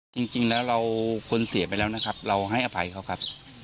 จริงแล้วเราคนเสียไปแล้วนะครับเราให้อภัยเขาครับ